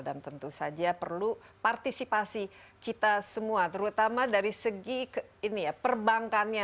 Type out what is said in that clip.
dan tentu saja perlu partisipasi kita semua terutama dari segi ini ya perbankannya